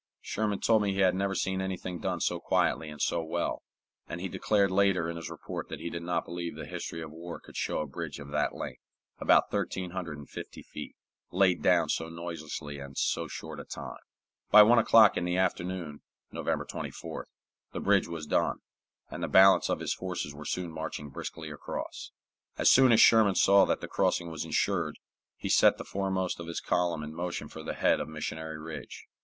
Sherman told me he had never seen anything done so quietly and so well, and he declared later in his report that he did not believe the history of war could show a bridge of that length about thirteen hundred and fifty feet laid down so noiselessly and in so short a time. By one o'clock in the afternoon (November 24th) the bridge was done, and the balance of his forces were soon marching briskly across. As soon as Sherman saw that the crossing was insured, he set the foremost of his column in motion for the head of Missionary Ridge.